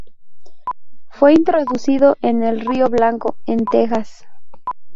Fue introducido en el río Blanco, en Texas.